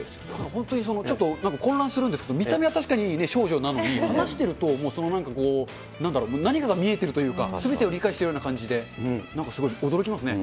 本当にちょっと混乱するんですけど、見た目は確かに少女なのに、話してると、なんか何かが見えてるというか、すべてを理解しているような感じでなんかすごい驚きますね。